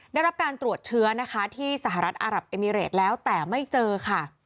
ได้รับการตรวจเชื้อนะคะที่สหรัฐอารับเอมิเรตแล้วแต่ไม่เจอค่ะ